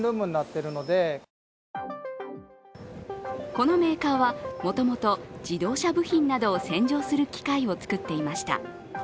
このメーカーはもともと自動車部品などを洗浄する機械を作っていました。